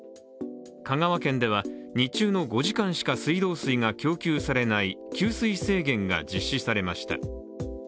香川県では、日中の５時間しか水道水が供給されない給水制限が実施されました。